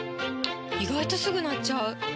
意外とすぐ鳴っちゃう！